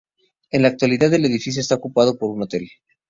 En la actualidad el edificio está ocupado por un hotel.